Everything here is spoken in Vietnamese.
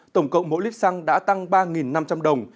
tổng cộng mỗi lít xăng đã tăng ba năm trăm linh đồng